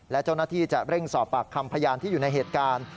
และเจ้าหน้าที่จะเร่งสอบปากคำพยานที่อยู่ในเหตุการณ์